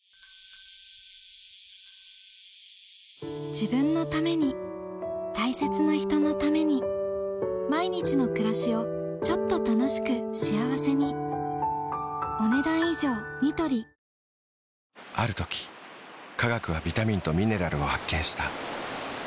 自分のために大切な人のために毎日の暮らしをちょっと楽しく幸せにある時科学はビタミンとミネラルを発見した。